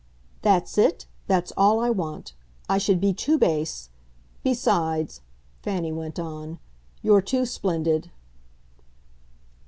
"That's it that's all I want. I should be too base ! Besides," Fanny went on, "you're too splendid."